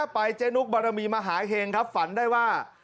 ไปเจ๊นุกบารมีมหาเห็งครับฝันได้ว่า